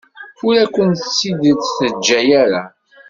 Ur akent-tt-id-teǧǧa ara.